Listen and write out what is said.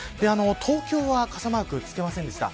東京は傘マークつけませんでした。